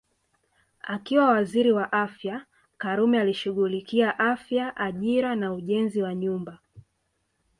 Akiwa Waziri wa Afya Karume alishughulikia Afya Ajira na Ujenzi wa Nyumba